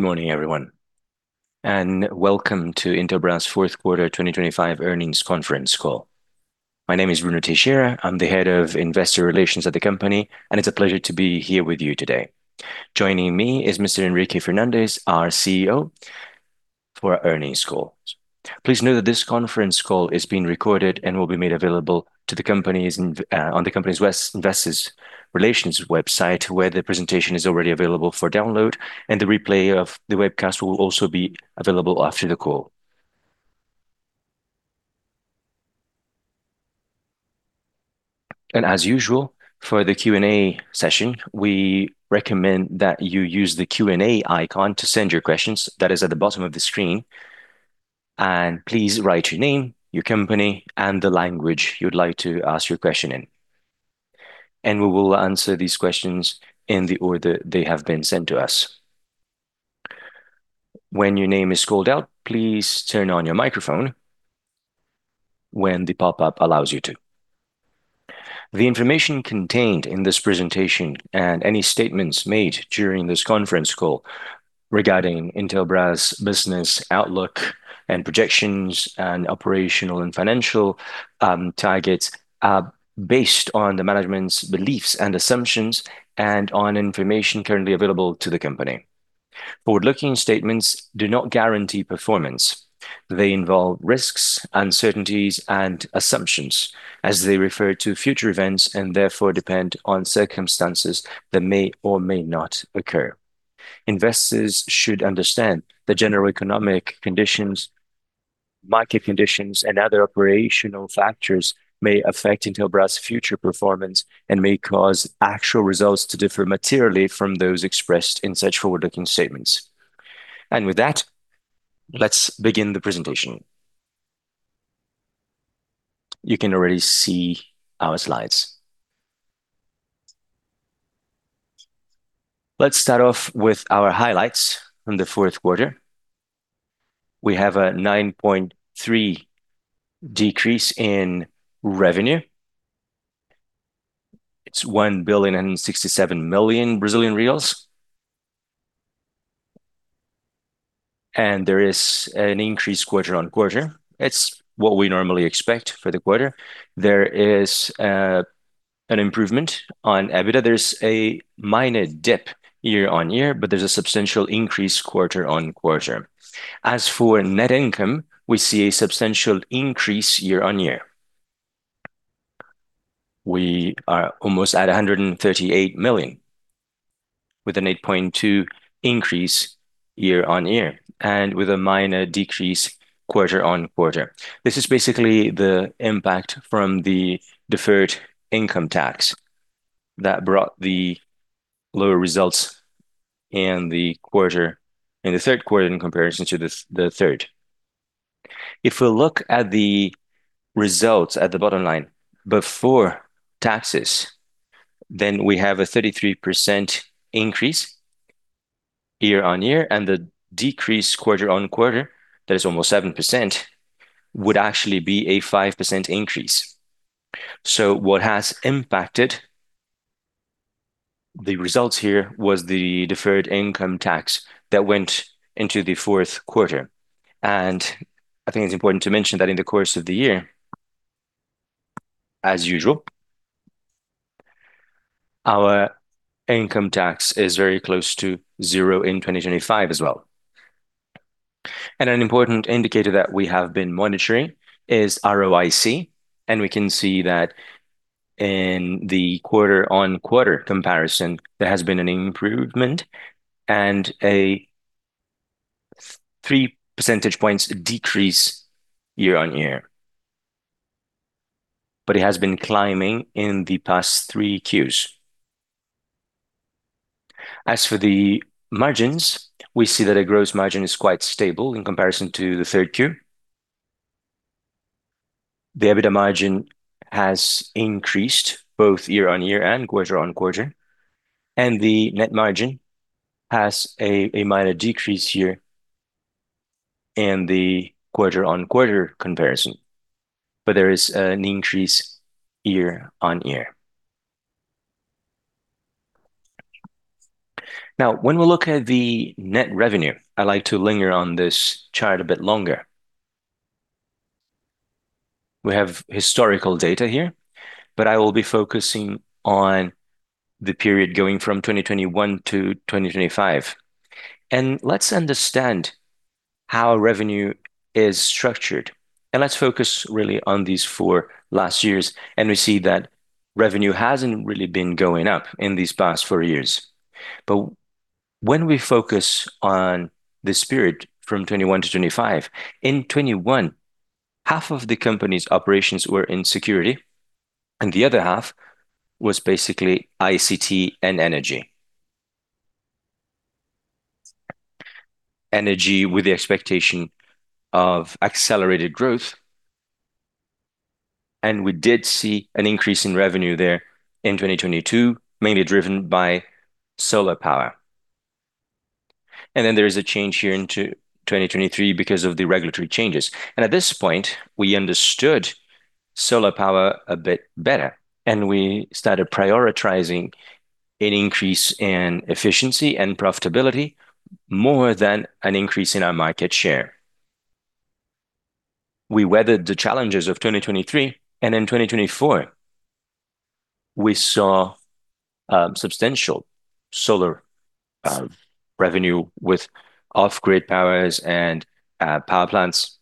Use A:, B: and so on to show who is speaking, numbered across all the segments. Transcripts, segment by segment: A: Good morning, everyone, welcome to Intelbras' fourth quarter 2025 earnings conference call. My name is Bruno Teixeira. I'm the Head of Investor Relations at the company, and it's a pleasure to be here with you today. Joining me is Mr. Henrique Fernandes, our CEO, for our earnings call. Please note that this conference call is being recorded and will be made available on the company's Investor Relations website, where the presentation is already available for download, and the replay of the webcast will also be available after the call. As usual, for the Q&A session, we recommend that you use the Q&A icon to send your questions. That is at the bottom of the screen. Please write your name, your company, and the language you'd like to ask your question in. We will answer these questions in the order they have been sent to us. When your name is called out, please turn on your microphone when the pop-up allows you to. The information contained in this presentation and any statements made during this conference call regarding Intelbras' business outlook and projections and operational and financial targets are based on the management's beliefs and assumptions and on information currently available to the company. Forward-looking statements do not guarantee performance. They involve risks, uncertainties, and assumptions as they refer to future events and therefore depend on circumstances that may or may not occur. Investors should understand the general economic conditions, market conditions, and other operational factors may affect Intelbras' future performance and may cause actual results to differ materially from those expressed in such forward-looking statements. With that, let's begin the presentation. You can already see our slides. Let's start off with our highlights on the fourth quarter. We have a 9.3% decrease in revenue. It's BRL 1,067 million. There is an increase quarter-on-quarter. It's what we normally expect for the quarter. There is an improvement on EBITDA. There's a minor dip year-on-year. There's a substantial increase quarter-on-quarter. As for net income, we see a substantial increase year-on-year. We are almost at 138 million, with an 8.2% increase year-on-year. With a minor decrease quarter-on-quarter. This is basically the impact from the deferred income tax that brought the lower results in the quarter, in the third quarter, in comparison to the third. If we look at the results at the bottom line before taxes, we have a 33% increase year-on-year, and the decrease quarter-on-quarter, that is almost 7%, would actually be a 5% increase. What has impacted the results here was the deferred income tax that went into the fourth quarter, and I think it's important to mention that in the course of the year, as usual, our income tax is very close to zero in 2025 as well. An important indicator that we have been monitoring is ROIC, and we can see that in the quarter-on-quarter comparison, there has been an improvement and a 3 percentage points decrease year-on-year, but it has been climbing in the past 3 Qs. As for the margins, we see that a gross margin is quite stable in comparison to the 3Q. The EBITDA margin has increased both year-over-year and quarter-over-quarter, and the net margin has a minor decrease here in the quarter-over-quarter comparison, but there is an increase year-over-year. Now, when we look at the net revenue, I like to linger on this chart a bit longer. We have historical data here, but I will be focusing on the period going from 2021 to 2025. Let's understand how revenue is structured, and let's focus really on these four last years, and we see that revenue hasn't really been going up in these past four years. When we focus on this period from 2021 to 2025, in 2021, half of the company's operations were in security, and the other half was basically ICT and energy. Energy, with the expectation of accelerated growth, and we did see an increase in revenue there in 2022, mainly driven by solar power. There is a change here in 2023 because of the regulatory changes. At this point, we understood solar power a bit better, and we started prioritizing an increase in efficiency and profitability more than an increase in our market share. We weathered the challenges of 2023, and in 2024, we saw substantial solar revenue with off-grid powers and power plants.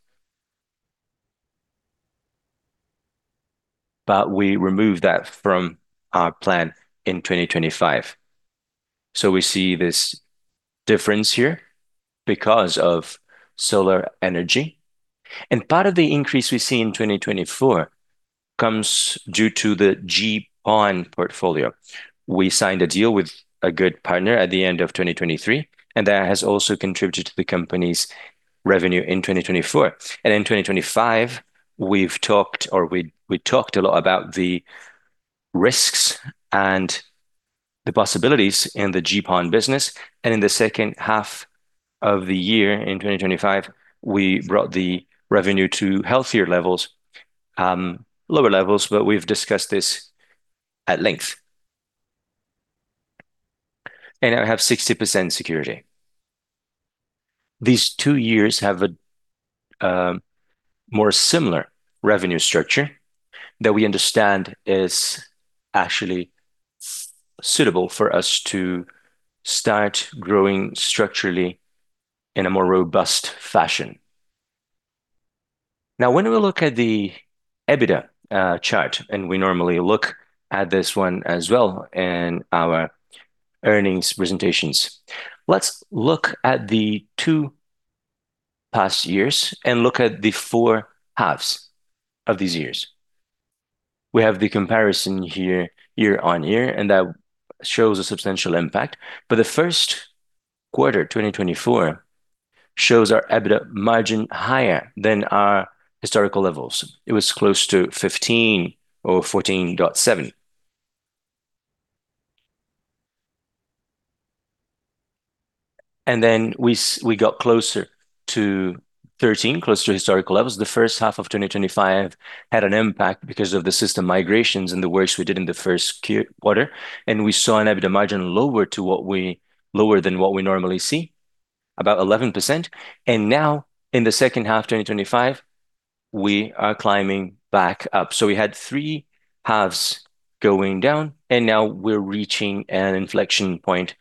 A: We removed that from our plan in 2025. We see this difference here because of solar energy. Part of the increase we see in 2024 comes due to the GPON portfolio. We signed a deal with a good partner at the end of 2023, and that has also contributed to the company's revenue in 2024. In 2025, we've talked or we talked a lot about the risks and the possibilities in the GPON business, and in the second half of the year, in 2025, we brought the revenue to healthier levels, lower levels, but we've discussed this at length. I have 60% security. These two years have a more similar revenue structure that we understand is actually suitable for us to start growing structurally in a more robust fashion. Now, when we look at the EBITDA chart, and we normally look at this one as well in our earnings presentations, let's look at the 2 past years and look at the 4 halves of these years. We have the comparison here, year-over-year, and that shows a substantial impact. The 1st quarter, 2024, shows our EBITDA margin higher than our historical levels. It was close to 15 or 14.7. We got closer to 13, close to historical levels. The 1st half of 2025 had an impact because of the system migrations and the works we did in the 1st quarter, and we saw an EBITDA margin lower than what we normally see, about 11%. In the 2nd half of 2025, we are climbing back up. We had three halves going down, and now we're reaching an inflection point,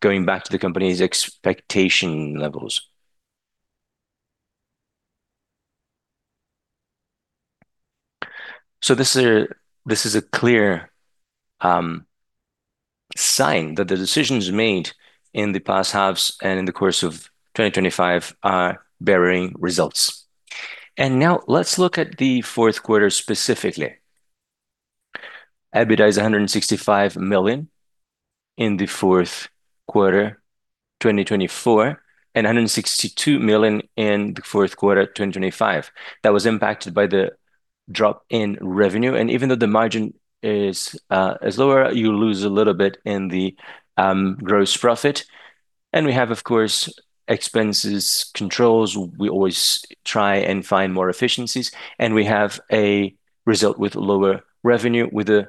A: going back to the company's expectation levels. This is a clear sign that the decisions made in the past halves and in the course of 2025 are bearing results. Now let's look at the fourth quarter, specifically. EBITDA is 165 million in the fourth quarter, 2024, and 162 million in the fourth quarter, 2025. That was impacted by the drop in revenue, and even though the margin is lower, you lose a little bit in the gross profit. We have, of course, expenses controls. We always try and find more efficiencies, and we have a result with lower revenue, with a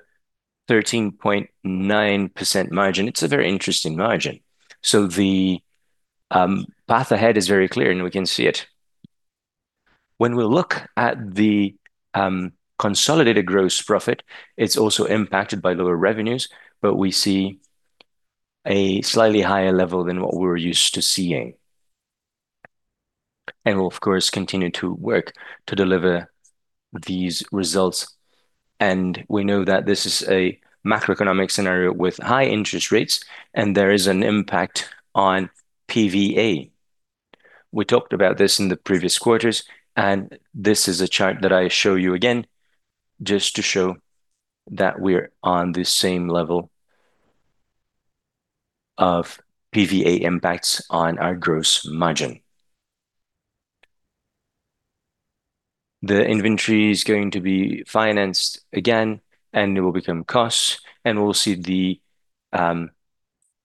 A: 13.9% margin. It's a very interesting margin. The path ahead is very clear, and we can see it. When we look at the consolidated gross profit, it's also impacted by lower revenues, but we see a slightly higher level than what we're used to seeing. We'll, of course, continue to work to deliver these results. We know that this is a macroeconomic scenario with high interest rates, and there is an impact on PVA. We talked about this in the previous quarters, and this is a chart that I show you again just to show that we're on the same level of PVA impacts on our gross margin. The inventory is going to be financed again, and it will become costs, and we'll see the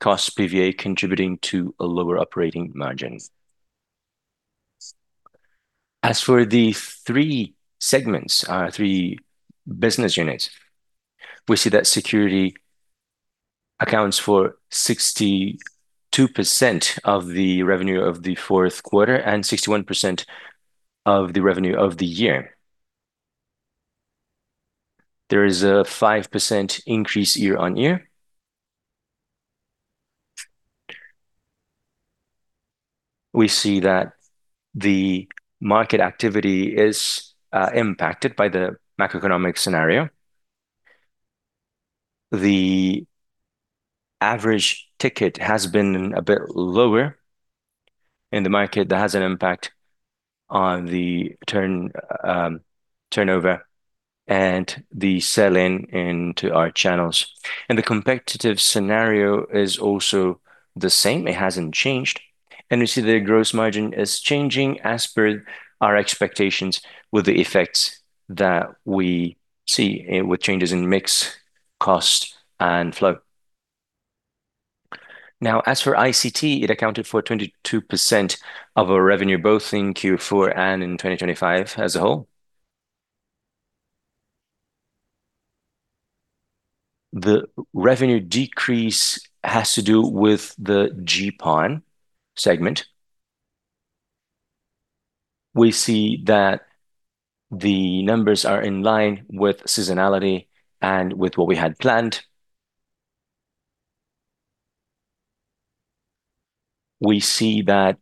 A: cost PVA contributing to a lower operating margin. As for the three segments, three business units, we see that security accounts for 62% of the revenue of the fourth quarter and 61% of the revenue of the year. There is a 5% increase year-over-year. We see that the market activity is impacted by the macroeconomic scenario. The average ticket has been a bit lower in the market. That has an impact on the turnover and the sell-in into our channels. The competitive scenario is also the same, it hasn't changed, and we see the gross margin is changing as per our expectations with the effects that we see with changes in mix, cost, and flow. As for ICT, it accounted for 22% of our revenue, both in Q4 and in 2025 as a whole. The revenue decrease has to do with the GPON segment. We see that the numbers are in line with seasonality and with what we had planned. We see that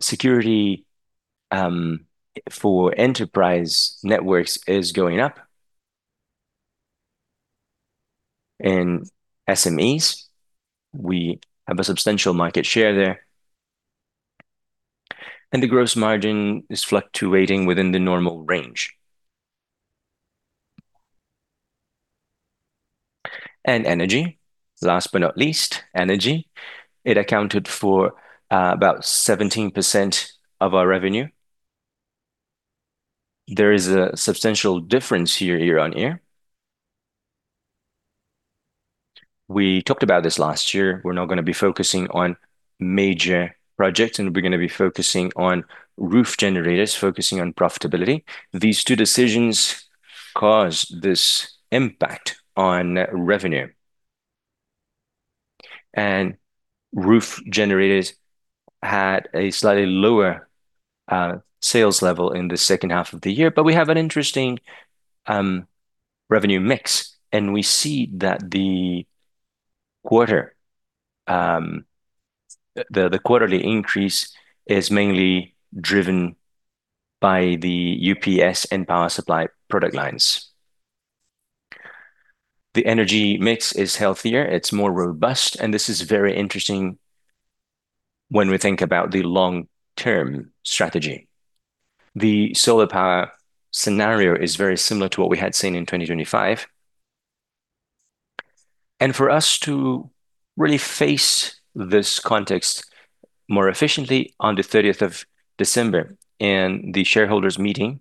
A: security for enterprise networks is going up. In SMEs, we have a substantial market share there. The gross margin is fluctuating within the normal range. Energy, last but not least, energy, it accounted for about 17% of our revenue. There is a substantial difference here year on year. We talked about this last year. We're now gonna be focusing on major projects, and we're gonna be focusing on roof generators, focusing on profitability. These two decisions cause this impact on revenue. Roof generators had a slightly lower sales level in the second half of the year, but we have an interesting revenue mix, and we see that the quarterly increase is mainly driven by the UPS and power supply product lines. The energy mix is healthier, it's more robust, and this is very interesting when we think about the long-term strategy. The solar power scenario is very similar to what we had seen in 2025. For us to really face this context more efficiently, on the 30th of December, in the shareholders' meeting,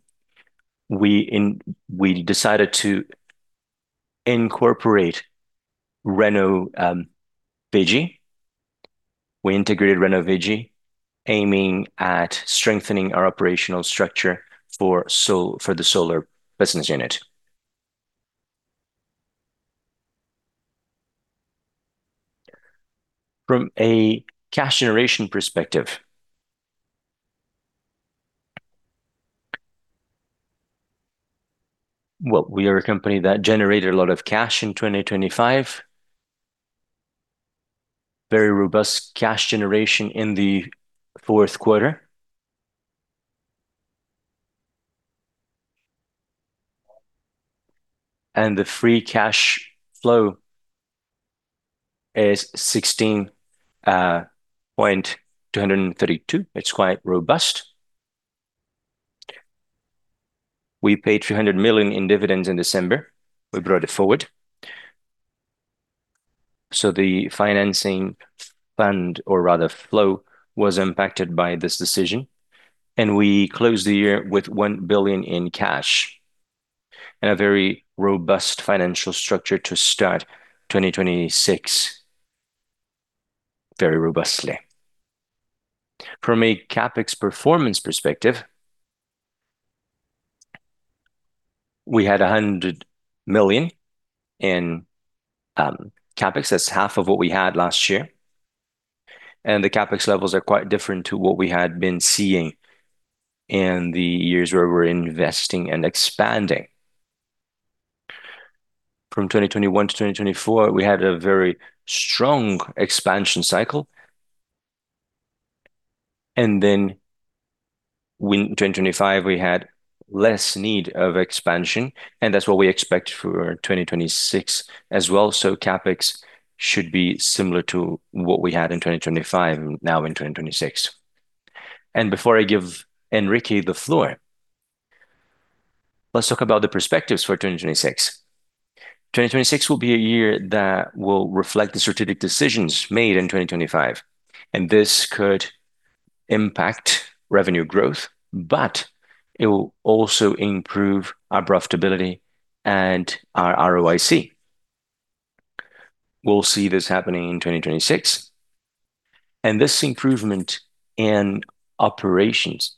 A: we decided to incorporate Renovigi. We integrated Renovigi, aiming at strengthening our operational structure for the solar business unit. From a cash generation perspective, well, we are a company that generated a lot of cash in 2025. Very robust cash generation in the fourth quarter. The free cash flow is 16.232. It's quite robust. We paid 300 million in dividends in December. We brought it forward. The financing fund, or rather flow, was impacted by this decision, and we closed the year with 1 billion in cash and a very robust financial structure to start 2026 very robustly. From a CapEx performance perspective, we had 100 million in CapEx. That's half of what we had last year, and the CapEx levels are quite different to what we had been seeing in the years where we were investing and expanding. From 2021 to 2024, we had a very strong expansion cycle, 2025, we had less need of expansion, and that's what we expect for 2026 as well. CapEx should be similar to what we had in 2025, now in 2026. Before I give Henrique the floor, let's talk about the perspectives for 2026. 2026 will be a year that will reflect the strategic decisions made in 2025, and this could impact revenue growth, but it will also improve our profitability and our ROIC. We'll see this happening in 2026, and this improvement in operations,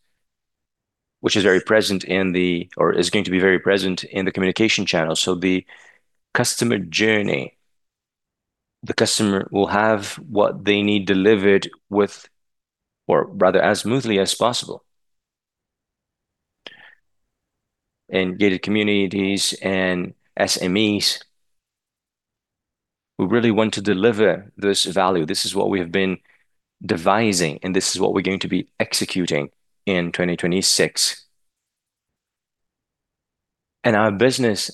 A: which is going to be very present in the communication channel. The customer journey, the customer will have what they need delivered with, or rather, as smoothly as possible. In gated communities and SMEs, we really want to deliver this value. This is what we have been devising, and this is what we're going to be executing in 2026. Our business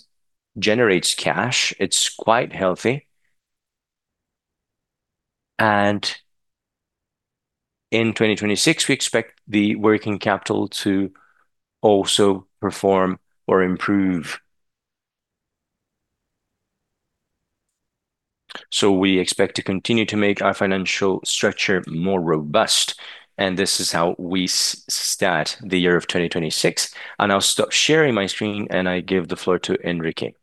A: generates cash. It's quite healthy. In 2026, we expect the working capital to also perform or improve. We expect to continue to make our financial structure more robust, and this is how we start the year of 2026. I'll stop sharing my screen, and I give the floor to Henrique.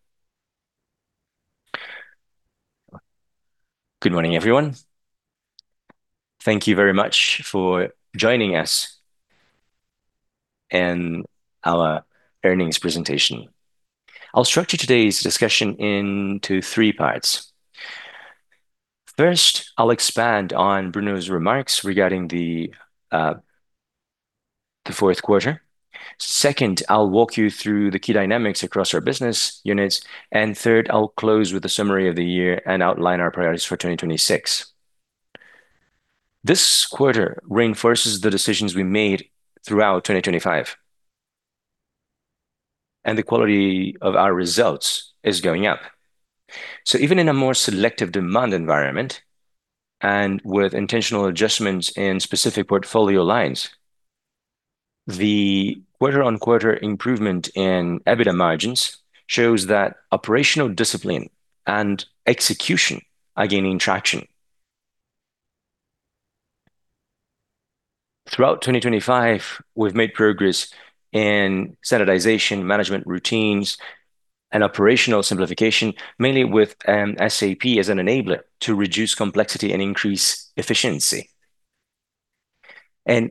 B: Good morning, everyone. Thank you very much for joining us in our earnings presentation. I'll structure today's discussion into three parts. First, I'll expand on Bruno's remarks regarding the fourth quarter. Second, I'll walk you through the key dynamics across our business units, and third, I'll close with a summary of the year and outline our priorities for 2026. This quarter reinforces the decisions we made throughout 2025, and the quality of our results is going up. Even in a more selective demand environment, and with intentional adjustments in specific portfolio lines, the quarter-on-quarter improvement in EBITDA margins shows that operational discipline and execution are gaining traction. Throughout 2025, we've made progress in standardization, management routines, and operational simplification, mainly with SAP as an enabler to reduce complexity and increase efficiency.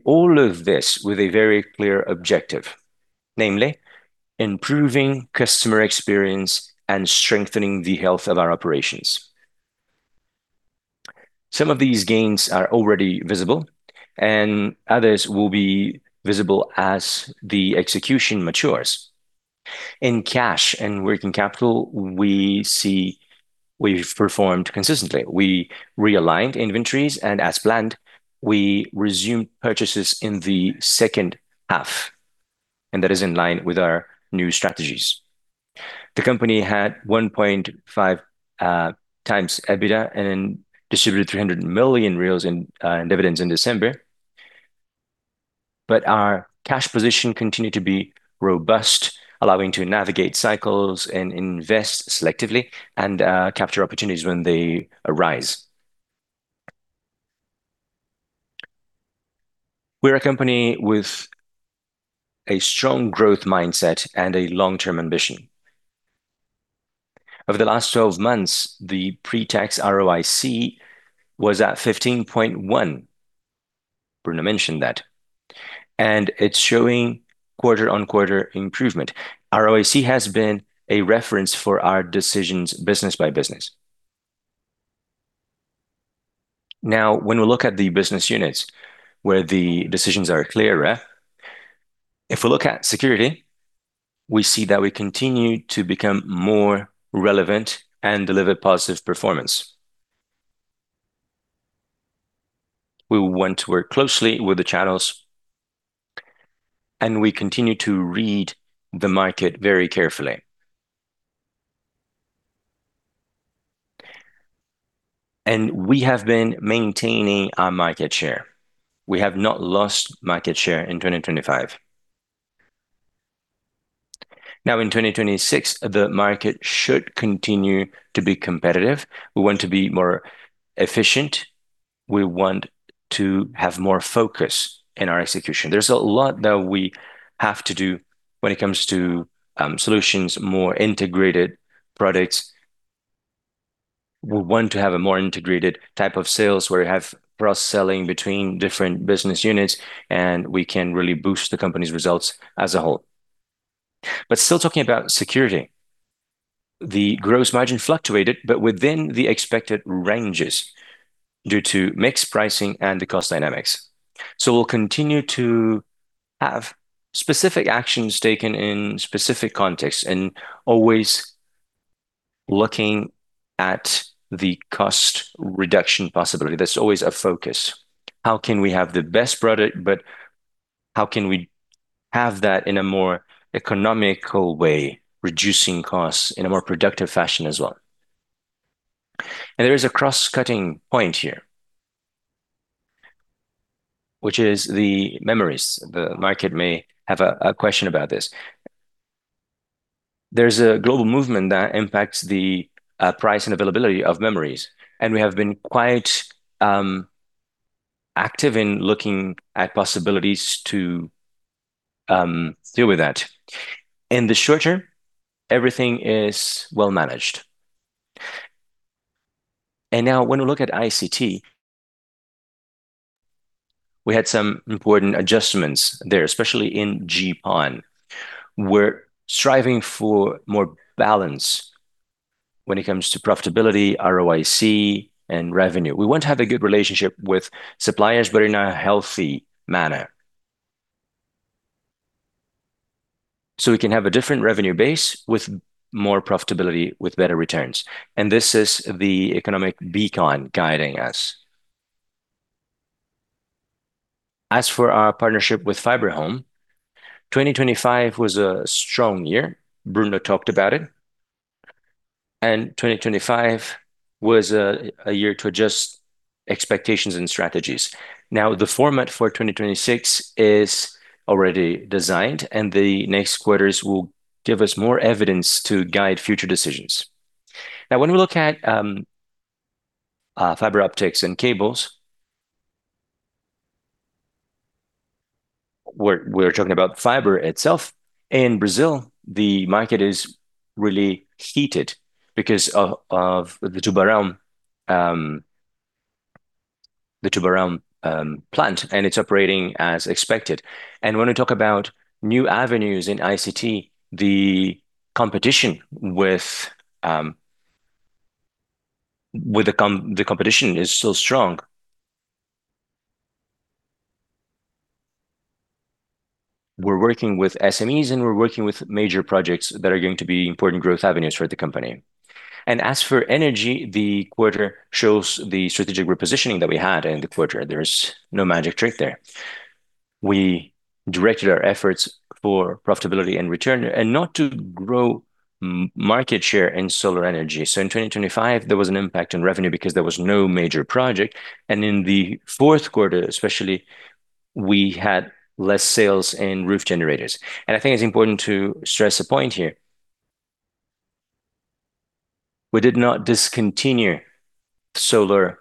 B: All of this with a very clear objective, namely, improving customer experience and strengthening the health of our operations. Some of these gains are already visible, and others will be visible as the execution matures. In cash and working capital, we see we've performed consistently. We realigned inventories, and as planned, we resumed purchases in the second half, and that is in line with our new strategies. The company had 1.5 times EBITDA and distributed 300 million in dividends in December. Our cash position continued to be robust, allowing to navigate cycles and invest selectively and capture opportunities when they arise. We're a company with a strong growth mindset and a long-term ambition. Over the last 12 months, the pre-tax ROIC was at 15.1. Bruno mentioned that, it's showing quarter-on-quarter improvement. ROIC has been a reference for our decisions, business by business. When we look at the business units where the decisions are clearer, if we look at security, we see that we continue to become more relevant and deliver positive performance. We want to work closely with the channels, we continue to read the market very carefully. We have been maintaining our market share. We have not lost market share in 2025. In 2026, the market should continue to be competitive. We want to be more efficient. We want to have more focus in our execution. There's a lot that we have to do when it comes to solutions, more integrated products. We want to have a more integrated type of sales, where we have cross-selling between different business units, and we can really boost the company's results as a whole. Still talking about security, the gross margin fluctuated, but within the expected ranges due to mix pricing and the cost dynamics. We'll continue to have specific actions taken in specific contexts and always looking at the cost reduction possibility. That's always a focus. How can we have the best product, but how can we have that in a more economical way, reducing costs in a more productive fashion as well? There is a cross-cutting point here, which is the memories. The market may have a question about this. There's a global movement that impacts the price and availability of memories, and we have been quite active in looking at possibilities to deal with that. In the short term, everything is well managed. Now, when we look at ICT, we had some important adjustments there, especially in GPON. We're striving for more balance when it comes to profitability, ROIC, and revenue. We want to have a good relationship with suppliers, but in a healthy manner, so we can have a different revenue base with more profitability, with better returns, and this is the economic beacon guiding us. As for our partnership with FiberHome, 2025 was a strong year. Bruno talked about it, and 2025 was a year to adjust expectations and strategies. The format for 2026 is already designed, and the next quarters will give us more evidence to guide future decisions. When we look at fiber optics and cables, we're talking about fiber itself. In Brazil, the market is really heated because of the Tubarão plant, and it's operating as expected. When we talk about new avenues in ICT, the competition with the competition is still strong. We're working with SMEs, and we're working with major projects that are going to be important growth avenues for the company. As for energy, the quarter shows the strategic repositioning that we had in the quarter. There's no magic trick there. We directed our efforts for profitability and return, and not to grow market share in solar energy. In 2025, there was an impact on revenue because there was no major project, and in the fourth quarter, especially, we had less sales in on-grid generators. I think it's important to stress a point here. We did not discontinue solar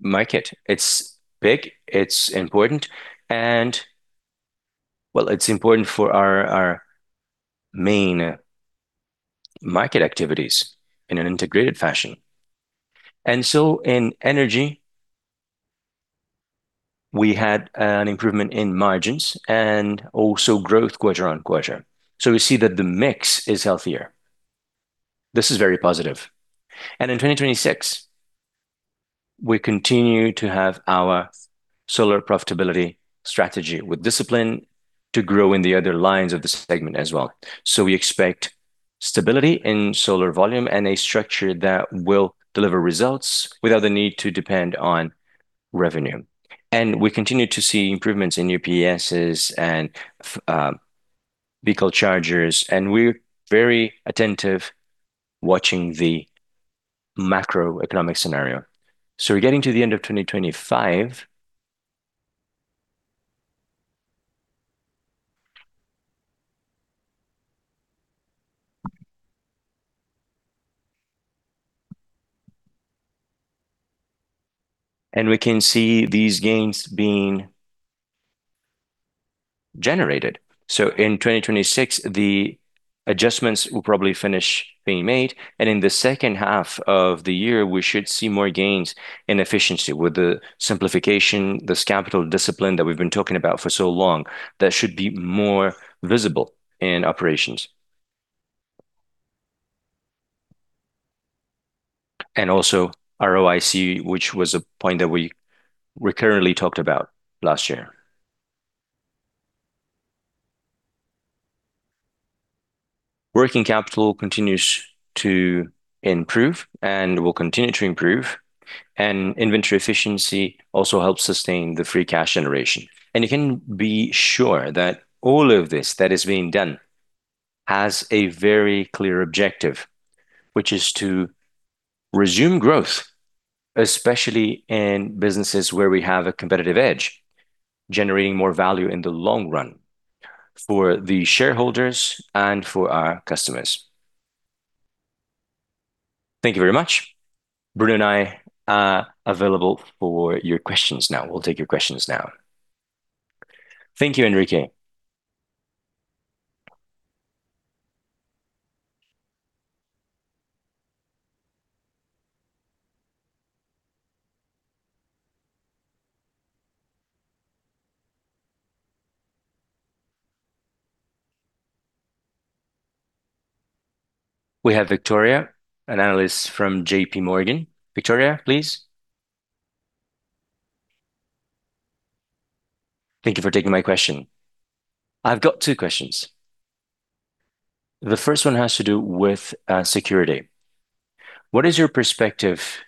B: market. It's big, it's important. Well, it's important for our main market activities in an integrated fashion. In energy, we had an improvement in margins and also growth quarter-on-quarter. We see that the mix is healthier. This is very positive. In 2026, we continue to have our solar profitability strategy with discipline to grow in the other lines of the segment as well. We expect stability in solar volume and a structure that will deliver results without the need to depend on revenue. We continue to see improvements in UPSs and vehicle chargers, and we're very attentive watching the macroeconomic scenario. We're getting to the end of 2025. We can see these gains being generated. In 2026, the adjustments will probably finish being made, and in the second half of the year, we should see more gains in efficiency with the simplification, this capital discipline that we've been talking about for so long, that should be more visible in operations. Also ROIC, which was a point that we recurrently talked about last year. Working capital continues to improve and will continue to improve, and inventory efficiency also helps sustain the free cash generation. You can be sure that all of this that is being done has a very clear objective, which is to resume growth, especially in businesses where we have a competitive edge, generating more value in the long run for the shareholders and for our customers. Thank you very much. Bruno and I are available for your questions now. We'll take your questions now.
A: Thank you, Henrique. We have Victoria, an analyst from JP Morgan. Victoria, please.
C: Thank you for taking my question. I've got two questions. The first one has to do with security. What is your perspective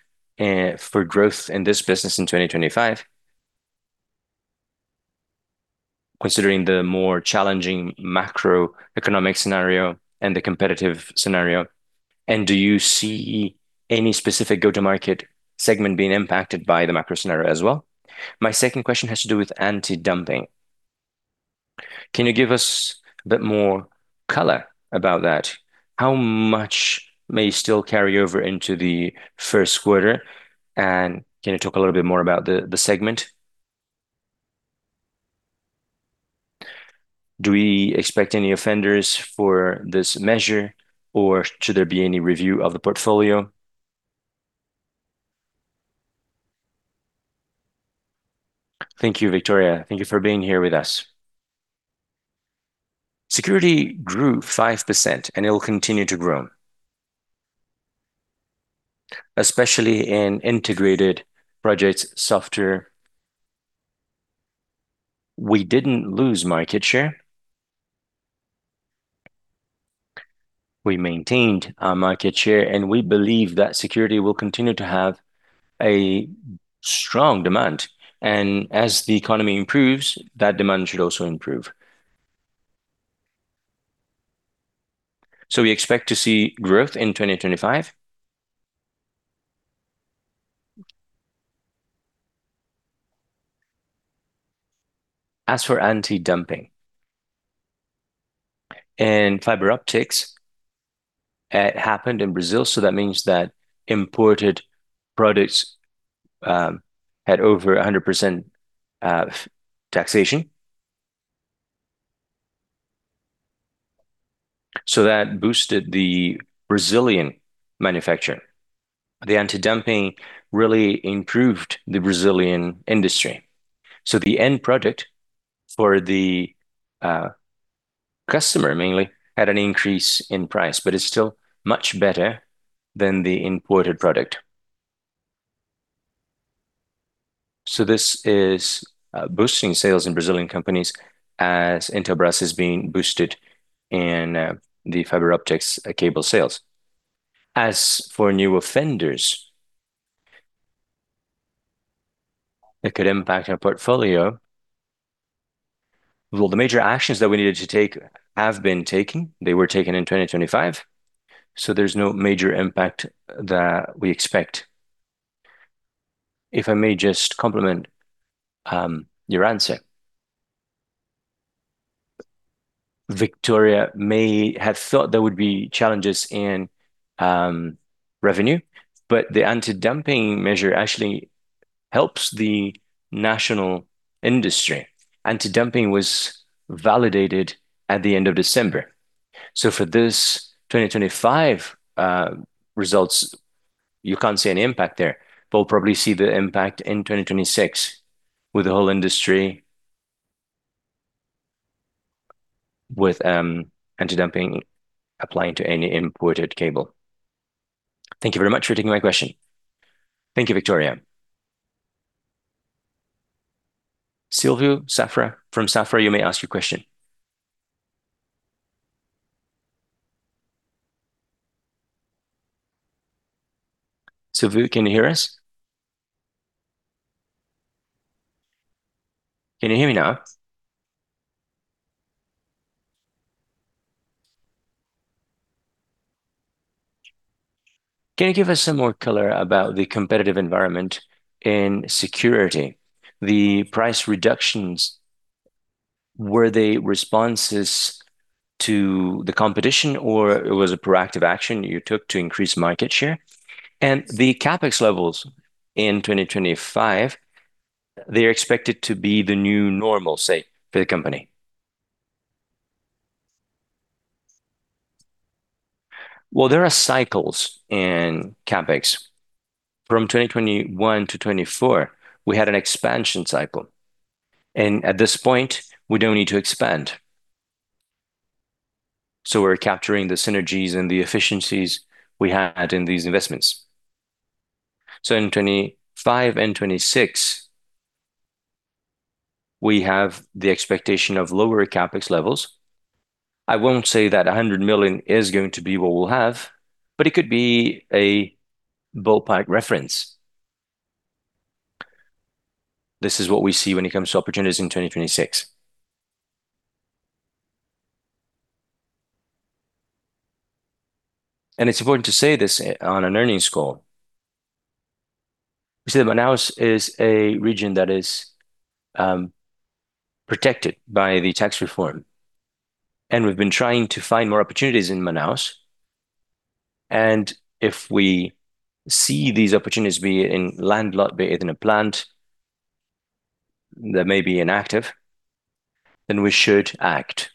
C: for growth in this business in 2025, considering the more challenging macroeconomic scenario and the competitive scenario? Do you see any specific go-to-market segment being impacted by the macro scenario as well? My second question has to do with anti-dumping. Can you give us a bit more color about that? How much may still carry over into the first quarter, and can you talk a little bit more about the segment? Do we expect any offenders for this measure, or should there be any review of the portfolio?
B: Thank you, Victoria. Thank you for being here with us. Security grew 5%, and it will continue to grow, especially in integrated projects, software. We didn't lose market share. We maintained our market share, and we believe that security will continue to have a strong demand, and as the economy improves, that demand should also improve. We expect to see growth in 2025. As for anti-dumping and fiber optics, it happened in Brazil, that means that imported products had over 100% taxation. That boosted the Brazilian manufacturing. The anti-dumping really improved the Brazilian industry. The end product for the customer mainly, had an increase in price, but it's still much better than the imported product. This is boosting sales in Brazilian companies as Intelbras is being boosted in the fiber optics cable sales. As for new offenders, it could impact our portfolio. Well, the major actions that we needed to take have been taken. They were taken in 2025, there's no major impact that we expect.
A: If I may just complement your answer. Victoria may have thought there would be challenges in revenue, the anti-dumping measure actually helps the national industry. Anti-dumping was validated at the end of December. For this 2025 results, you can't see an impact there. We'll probably see the impact in 2026 with the whole industry, with anti-dumping applying to any imported cable.
C: Thank you very much for taking my question.
A: Thank you, Victoria. Silvio Safra. From Safra, you may ask your question. Silvio, can you hear us?
D: Can you hear me now? Can you give us some more color about the competitive environment in security? The price reductions, were they responses to the competition, or it was a proactive action you took to increase market share?
B: The CapEx levels in 2025, they're expected to be the new normal, say, for the company. Well, there are cycles in CapEx. From 2021 to 24, we had an expansion cycle, and at this point, we don't need to expand. We're capturing the synergies and the efficiencies we had in these investments. In 2025 and 2026, we have the expectation of lower CapEx levels. I won't say that 100 million is going to be what we'll have, but it could be a ballpark reference. This is what we see when it comes to opportunities in 2026. It's important to say this on an earnings call. We see that Manaus is a region that is protected by the tax reform, and we've been trying to find more opportunities in Manaus. If we see these opportunities be in land lot, be it in a plant that may be inactive, then we should act.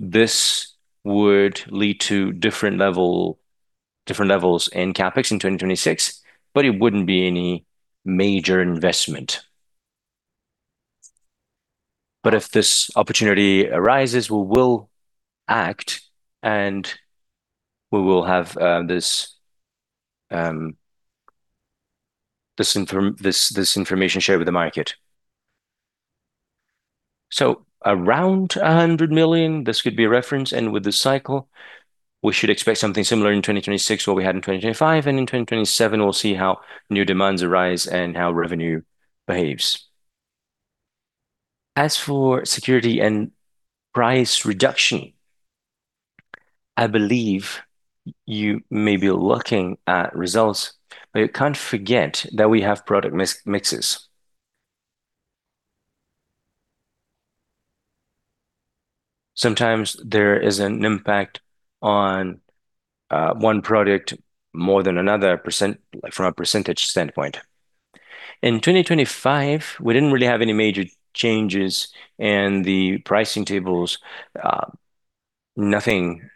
B: This would lead to different levels in CapEx in 2026, but it wouldn't be any major investment. If this opportunity arises, we will act, and we will have this information shared with the market. Around 100 million, this could be a reference, and with this cycle, we should expect something similar in 2026, what we had in 2025, and in 2027, we'll see how new demands arise and how revenue behaves. As for security and price reduction, I believe you may be looking at results, but you can't forget that we have product mixes. Sometimes there is an impact on one product more than another %, from a percentage standpoint. In 2025, we didn't really have any major changes in the pricing tables, nothing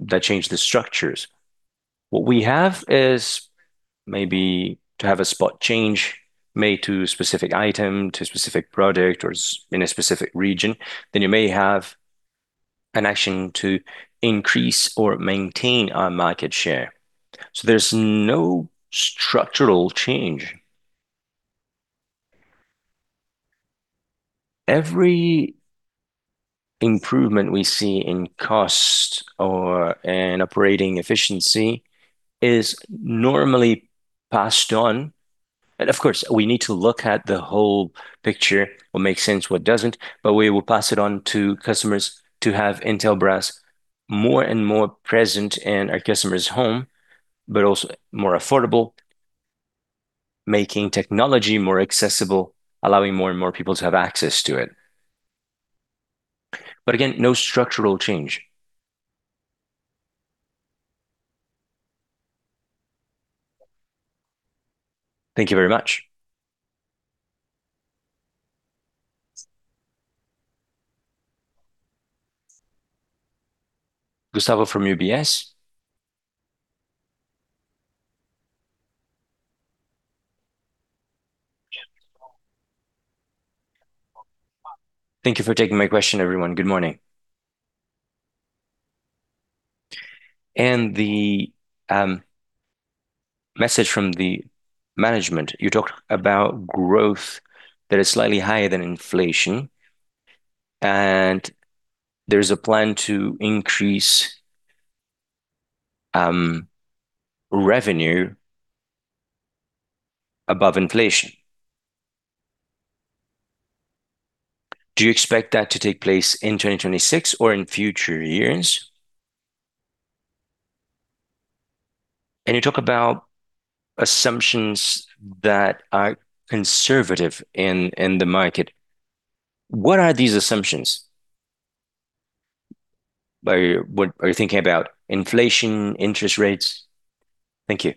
B: that changed the structures. What we have is maybe to have a spot change made to a specific item, to a specific product, or in a specific region, then you may have an action to increase or maintain our market share. There's no structural change. Every improvement we see in cost or in operating efficiency is normally passed on. Of course, we need to look at the whole picture, what makes sense, what doesn't, but we will pass it on to customers to have Intelbras more and more present in our customer's home, but also more affordable, making technology more accessible, allowing more and more people to have access to it. Again, no structural change.
D: Thank you very much.
A: Gustavo from UBS?
E: Thank you for taking my question, everyone. Good morning. The message from the management, you talked about growth that is slightly higher than inflation, and there's a plan to increase revenue above inflation. Do you expect that to take place in 2026 or in future years? You talk about assumptions that are conservative in the market. What are these assumptions? Are you thinking about inflation, interest rates? Thank you.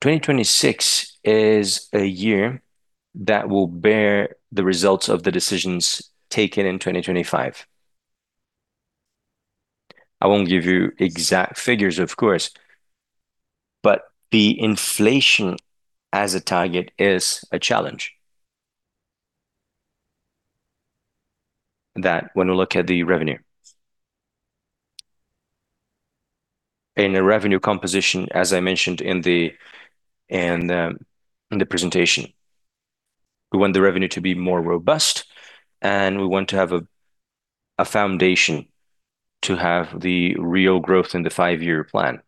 B: 2026 is a year that will bear the results of the decisions taken in 2025. I won't give you exact figures, of course, but the inflation as a target is a challenge, that when we look at the revenue. In a revenue composition, as I mentioned in the presentation, we want the revenue to be more robust, and we want to have a foundation to have the real growth in the five-year plan.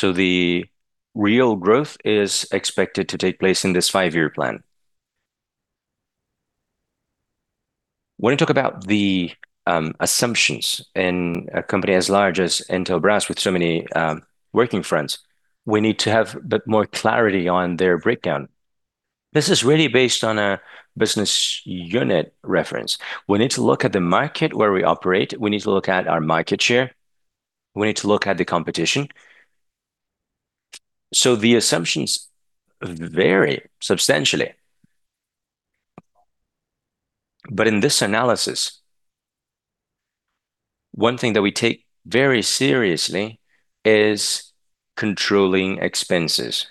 B: The real growth is expected to take place in this five-year plan. When you talk about the assumptions in a company as large as Intelbras, with so many working fronts, we need to have a bit more clarity on their breakdown. This is really based on a business unit reference. We need to look at the market where we operate, we need to look at our market share, we need to look at the competition. The assumptions vary substantially. In this analysis, one thing that we take very seriously is controlling expenses.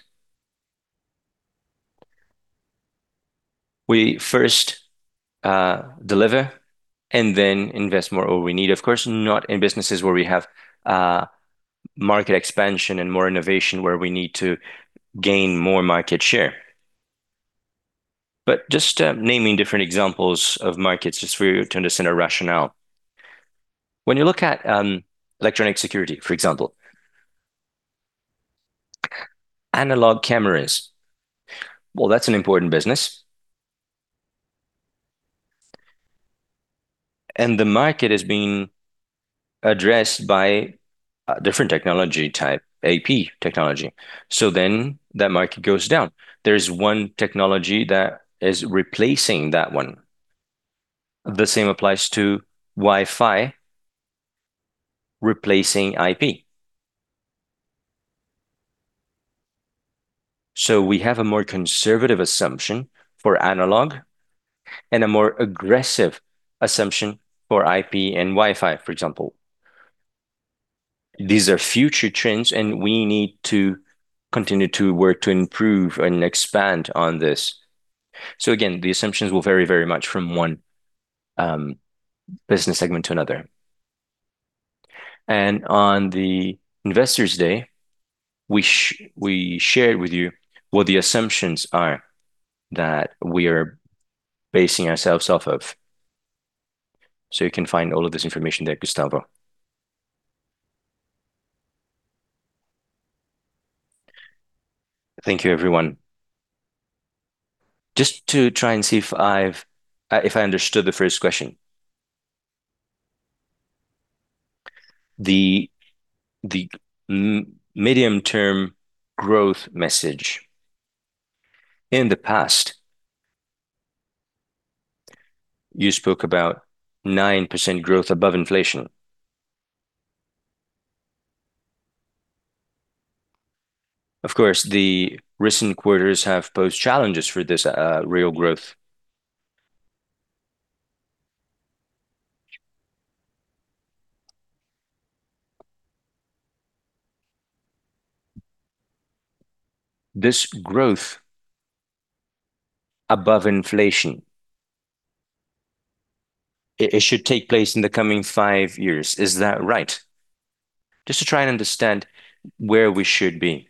B: We first deliver and then invest more where we need. Of course, not in businesses where we have market expansion and more innovation, where we need to gain more market share. Just naming different examples of markets, just for you to understand our rationale. When you look at electronic security, for example, analog cameras, well, that's an important business. The market is being addressed by a different technology type, AP technology, so then that market goes down. There is one technology that is replacing that one. The same applies to Wi-Fi replacing IP. We have a more conservative assumption for analog and a more aggressive assumption for IP and Wi-Fi, for example. These are future trends, and we need to continue to work to improve and expand on this. Again, the assumptions will vary very much from one business segment to another. On the Investor Day, we shared with you what the assumptions are that we are basing ourselves off of. You can find all of this information there, Gustavo.
E: Thank you, everyone. Just to try and see if I've if I understood the first question. The medium-term growth message. In the past, you spoke about 9% growth above inflation. Of course, the recent quarters have posed challenges for this real growth. This growth above inflation, it should take place in the coming five years. Is that right? Just to try and understand where we should be,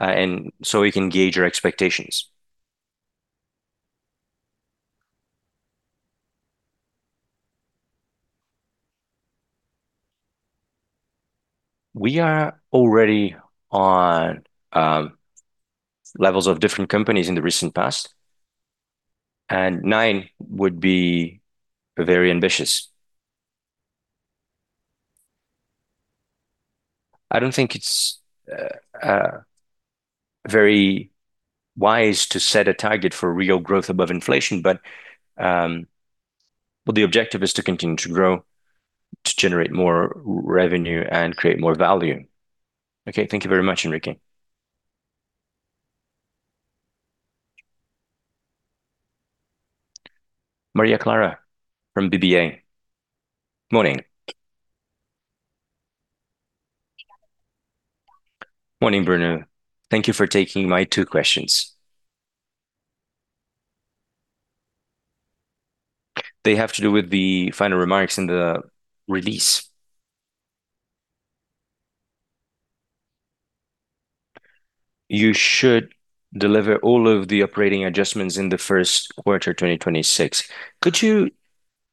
E: and so we can gauge our expectations.
B: We are already on levels of different companies in the recent past, and 9% would be very ambitious. I don't think it's very wise to set a target for real growth above inflation, but the objective is to continue to grow, to generate more revenue, and create more value.
A: Okay, thank you very much, Henrique. Maria Clara from BBA. Morning.
F: Morning, Bruno. Thank you for taking my 2 questions. They have to do with the final remarks in the release. You should deliver all of the operating adjustments in the first quarter, 2026. Could you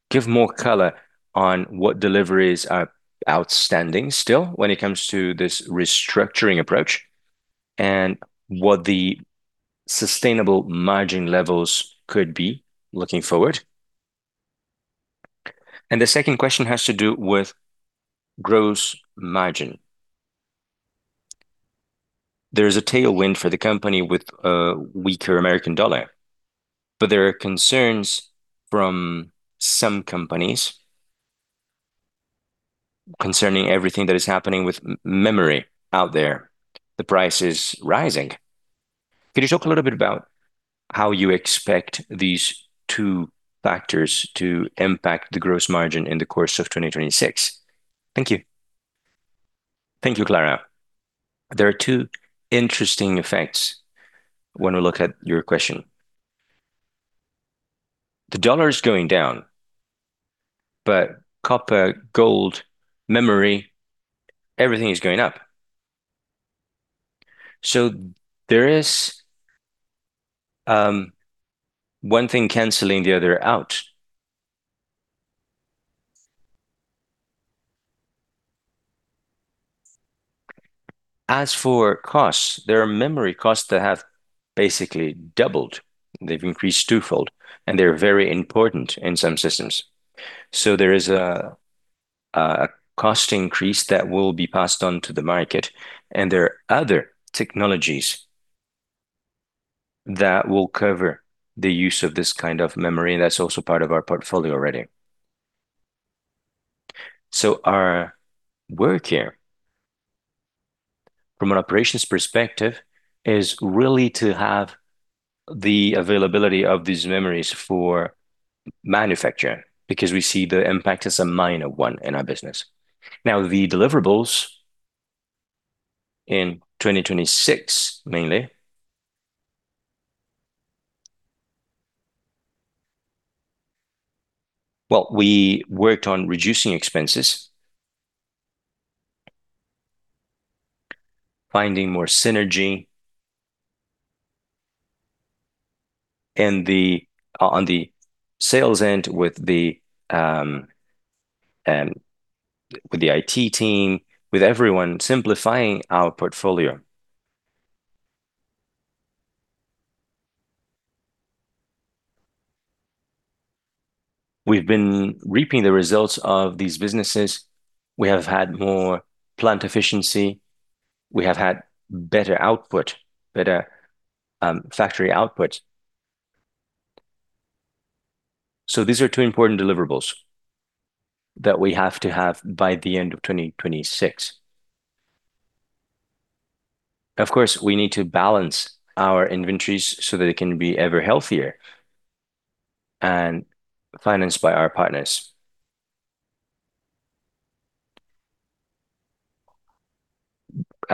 F: give more color on what deliveries are outstanding still when it comes to this restructuring approach, and what the sustainable margin levels could be looking forward? The second question has to do with gross margin. There is a tailwind for the company with a weaker American dollar, but there are concerns from some companies concerning everything that is happening with memory out there. The price is rising. Could you talk a little bit about how you expect these 2 factors to impact the gross margin in the course of 2026? Thank you.
B: Thank you, Clara. There are 2 interesting effects when we look at your question. The dollar is going down, but copper, gold, memory, everything is going up. There is 1 thing canceling the other out. As for costs, there are memory costs that have basically doubled. They've increased twofold, and they're very important in some systems. There is a cost increase that will be passed on to the market, and there are other technologies that will cover the use of this kind of memory, and that's also part of our portfolio already. The deliverables in 2026, mainly, we worked on reducing expenses, finding more synergy, and on the sales end with the IT team, with everyone simplifying our portfolio. We've been reaping the results of these businesses. We have had more plant efficiency, we have had better output, better factory output. These are two important deliverables that we have to have by the end of 2026. Of course, we need to balance our inventories so that they can be ever healthier and financed by our partners.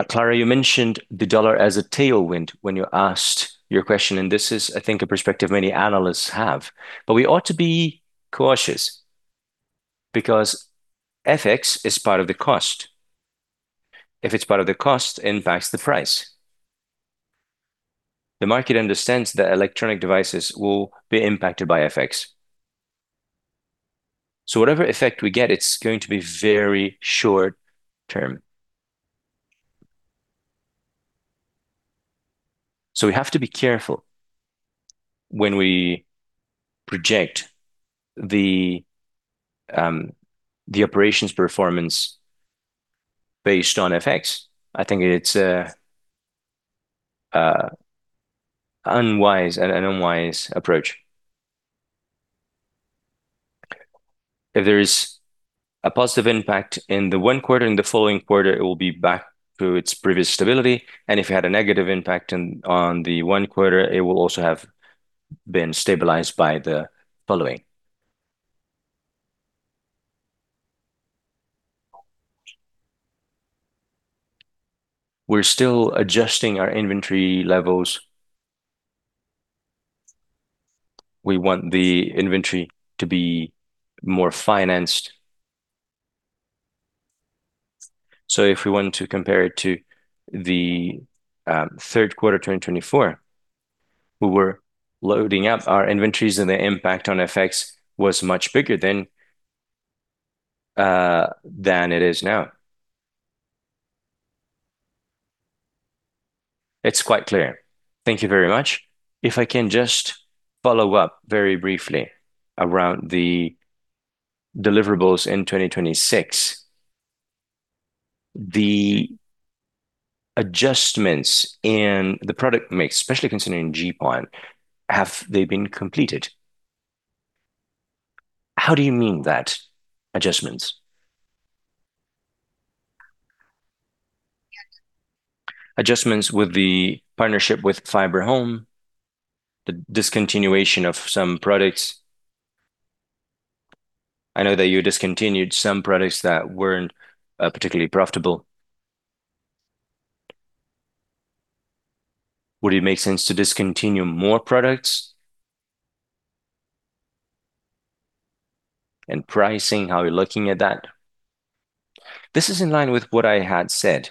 B: Clara, you mentioned the dollar as a tailwind when you asked your question. This is, I think, a perspective many analysts have. We ought to be cautious because FX is part of the cost. If it's part of the cost, it impacts the price. The market understands that electronic devices will be impacted by FX. Whatever effect we get, it's going to be very short term. We have to be careful when we project the operations performance based on FX. I think it's an unwise approach. If there is a positive impact in the one quarter, in the following quarter, it will be back to its previous stability. If you had a negative impact on the one quarter, it will also have been stabilized by the following. We're still adjusting our inventory levels. We want the inventory to be more financed. If we want to compare it to the 3rd quarter 2024, we were loading up our inventories. The impact on FX was much bigger than it is now. It's quite clear.
F: Thank you very much. If I can just follow up very briefly around the deliverables in 2026. The adjustments in the product mix, especially considering GPON, have they been completed? How do you mean that, adjustments? Adjustments with the partnership with FiberHome, the discontinuation of some products. I know that you discontinued some products that weren't particularly profitable. Would it make sense to discontinue more products? Pricing, how are you looking at that?
B: This is in line with what I had said.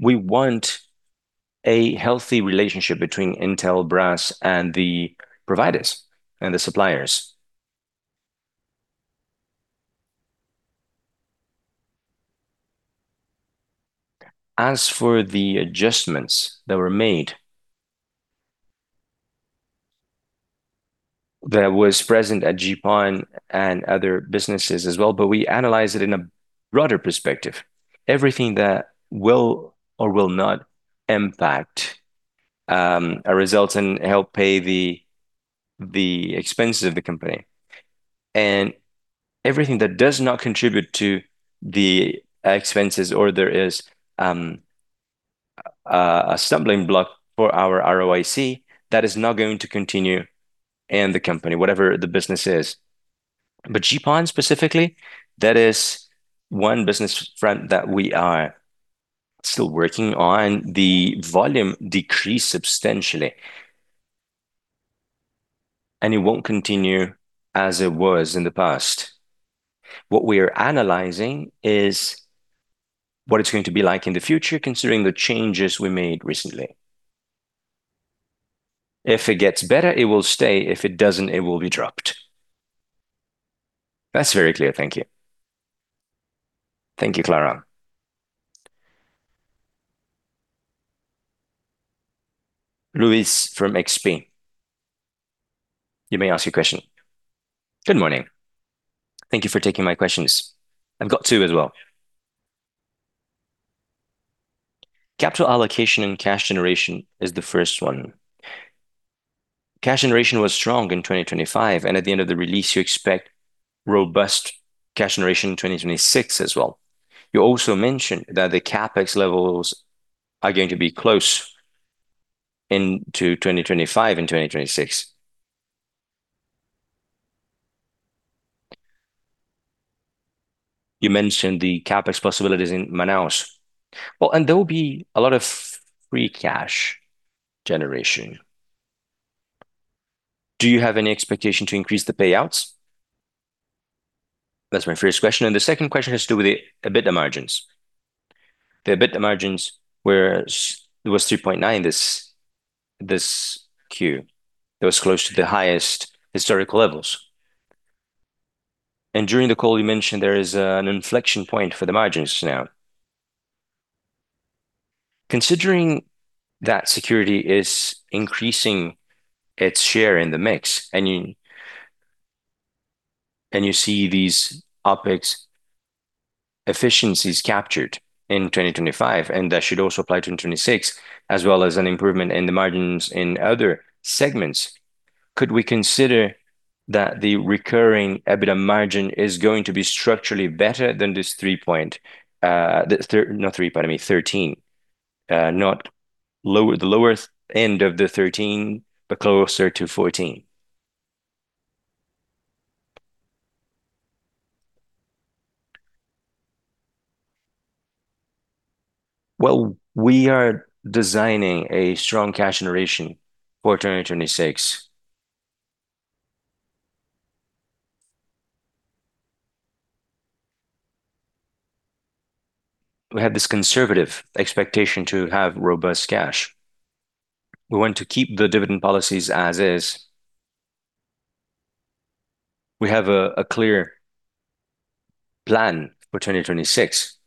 B: We want a healthy relationship between Intelbras and the providers, and the suppliers. As for the adjustments that were made, that was present at GPON and other businesses as well, but we analyze it in a broader perspective. Everything that will or will not impact our results and help pay the expenses of the company. Everything that does not contribute to the expenses or there is a stumbling block for our ROIC, that is not going to continue in the company, whatever the business is. GPON, specifically, that is one business front that we are still working on. The volume decreased substantially, and it won't continue as it was in the past. What we are analyzing is what it's going to be like in the future, considering the changes we made recently. If it gets better, it will stay. If it doesn't, it will be dropped.
F: That's very clear. Thank you.
A: Thank you, Clara. Luis from XP, you may ask your question.
G: Good morning. Thank you for taking my questions. I've got two as well. Capital allocation and cash generation is the first one. Cash generation was strong in 2025, and at the end of the release, you expect robust cash generation in 2026 as well. You also mentioned that the CapEx levels are going to be close into 2025 and 2026. You mentioned the CapEx possibilities in Manaus. Well, there will be a lot of free cash generation. Do you have any expectation to increase the payouts? That's my first question. The second question has to do with the EBITDA margins. The EBITDA margins, whereas it was 3.9% this Q. It was close to the highest historical levels. During the call, you mentioned there is an inflection point for the margins now. Considering that security is increasing its share in the mix, you see these OpEx efficiencies captured in 2025, that should also apply to 2026, as well as an improvement in the margins in other segments, could we consider that the recurring EBITDA margin is going to be structurally better than this 3.9%, pardon me, 13%, not lower, the lower end of the 13%, but closer to 14%?
B: Well, we are designing a strong cash generation for 2026. We have this conservative expectation to have robust cash. We want to keep the dividend policies as is. We have a clear plan for 2026.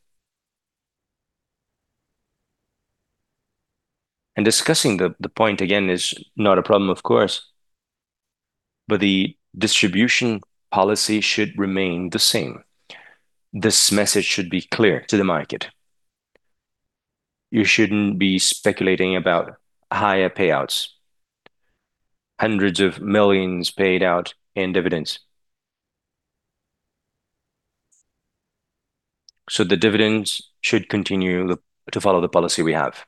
B: Discussing the point again is not a problem, of course, but the distribution policy should remain the same. This message should be clear to the market. You shouldn't be speculating about higher payouts, hundreds of millions paid out in dividends. The dividends should continue to follow the policy we have.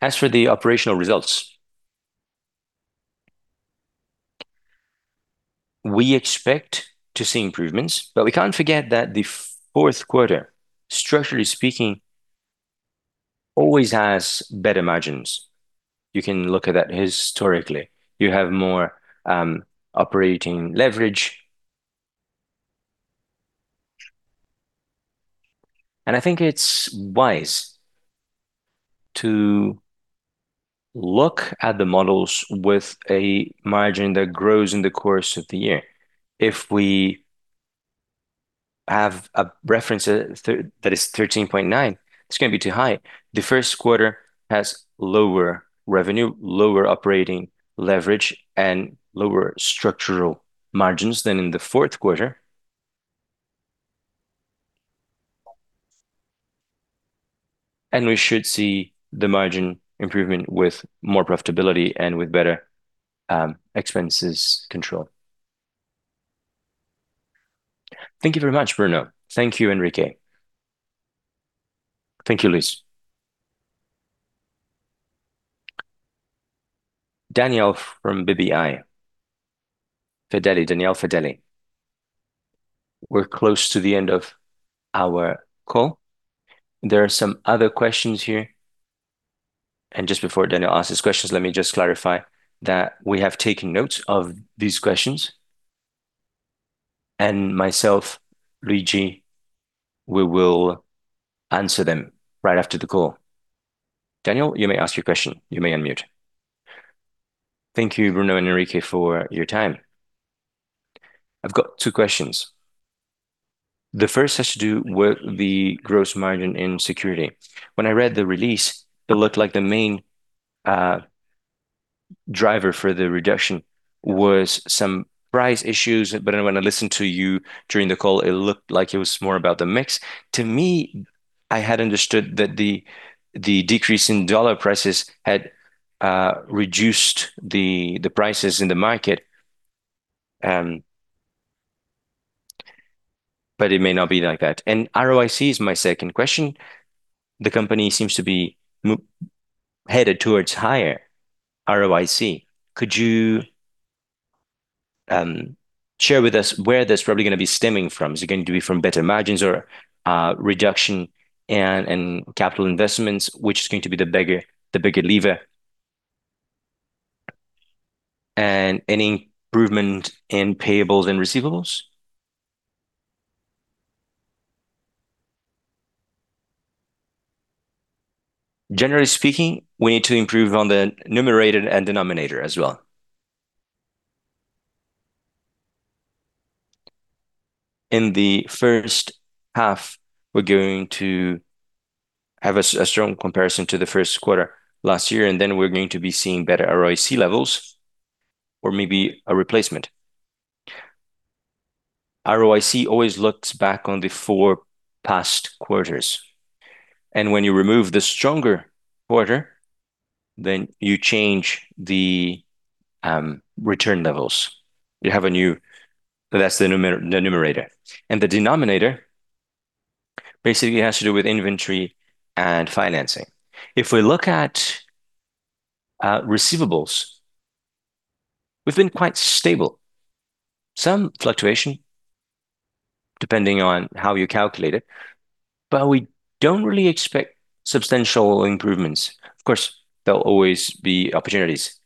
B: As for the operational results, we expect to see improvements, but we can't forget that the fourth quarter, structurally speaking, always has better margins. You can look at that historically. You have more operating leverage. I think it's wise to look at the models with a margin that grows in the course of the year. If we have a reference that is 13.9, it's going to be too high. The first quarter has lower revenue, lower operating leverage, and lower structural margins than in the fourth quarter. We should see the margin improvement with more profitability and with better expenses control.
G: Thank you very much, Bruno. Thank you, Henrique.
B: Thank you, Luis.
A: Daniel from BBI. Federle, Daniel Federle. We're close to the end of our call. There are some other questions here, and just before Daniel asks his questions, let me just clarify that we have taken notes of these questions, and myself, Luigi, we will answer them right after the call. Daniel, you may ask your question. You may unmute.
H: Thank you, Bruno and Henrique, for your time. I've got two questions. The first has to do with the gross margin in security. When I read the release, it looked like the main driver for the reduction was some price issues, but when I listened to you during the call, it looked like it was more about the mix. To me, I had understood that the decrease in dollar prices had reduced the prices in the market, but it may not be like that. ROIC is my second question. The company seems to be headed towards higher ROIC. Could you share with us where that's probably going to be stemming from? Is it going to be from better margins or reduction and capital investments? Which is going to be the bigger lever? Any improvement in payables and receivables?
B: Generally speaking, we need to improve on the numerator and denominator as well. In the first half, we're going to have a strong comparison to the first quarter last year. Then we're going to be seeing better ROIC levels or maybe a replacement. ROIC always looks back on the 4 past quarters. When you remove the stronger quarter, then you change the return levels. You have a new. That's the numerator. The denominator basically has to do with inventory and financing. If we look at receivables, we've been quite stable. Some fluctuation, depending on how you calculate it. We don't really expect substantial improvements. Of course, there'll always be opportunities.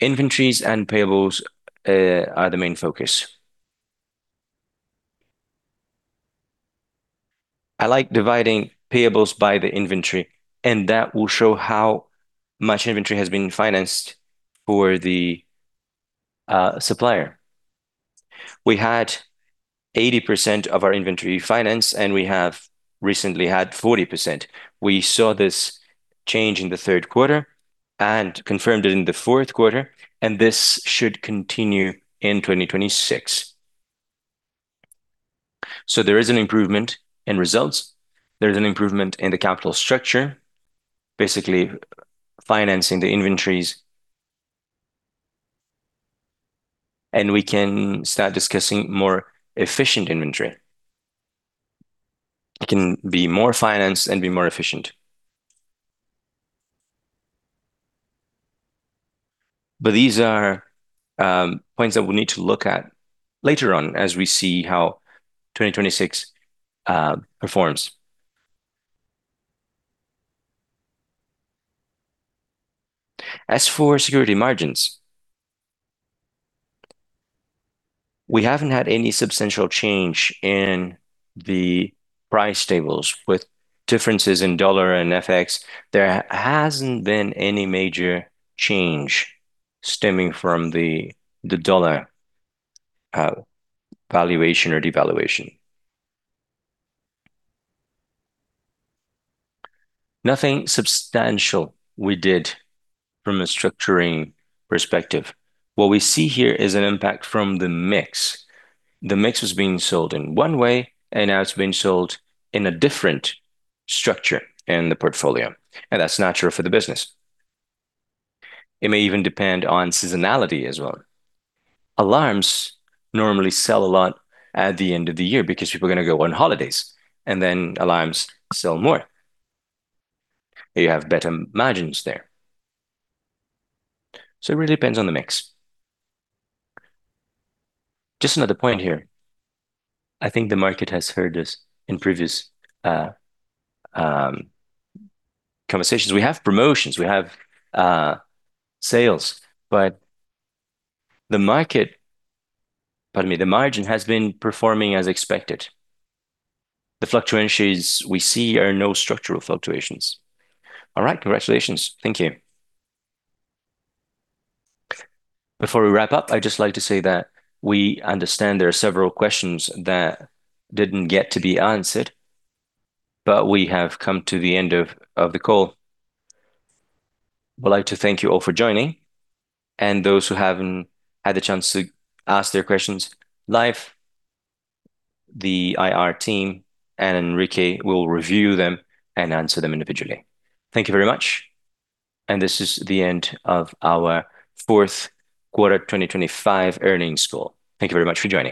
B: Inventories and payables are the main focus. I like dividing payables by the inventory. That will show how much inventory has been financed for the supplier. We had 80% of our inventory financed, and we have recently had 40%. We saw this change in the third quarter and confirmed it in the fourth quarter, and this should continue in 2026. There is an improvement in results. There's an improvement in the capital structure, basically financing the inventories, and we can start discussing more efficient inventory. It can be more financed and be more efficient. These are points that we need to look at later on as we see how 2026 performs. As for security margins, we haven't had any substantial change in the price tables with differences in dollar and FX. There hasn't been any major change stemming from the dollar valuation or devaluation. Nothing substantial we did from a structuring perspective. What we see here is an impact from the mix. The mix was being sold in one way, now it's being sold in a different structure in the portfolio, that's natural for the business. It may even depend on seasonality as well. Alarms normally sell a lot at the end of the year because people are going to go on holidays, then alarms sell more. You have better margins there. It really depends on the mix. Just another point here, I think the market has heard this in previous conversations. We have promotions, we have sales, the margin has been performing as expected. The fluctuations we see are no structural fluctuations.
H: All right. Congratulations. Thank you.
A: Before we wrap up, I'd just like to say that we understand there are several questions that didn't get to be answered. We have come to the end of the call. I would like to thank you all for joining. Those who haven't had the chance to ask their questions live, the IR team and Henrique will review them and answer them individually. Thank you very much. This is the end of our fourth quarter 2025 earnings call. Thank you very much for joining.